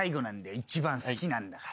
一番好きなんだから。